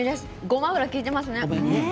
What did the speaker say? ごま油が利いていますね。